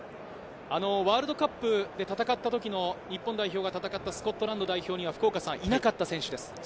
ワールドカップで戦った時の日本代表が戦ったスコットランド代表にはいなかった選手です。